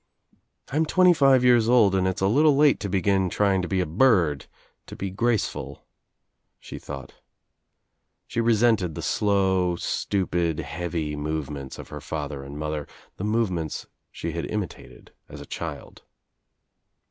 "I'm twenty five years old and it's a little late to begin trying to be a bird, to be graceful," she thought. She resented the slow stupid heavy movements of her father and mother, the movements she had Imitated as a child.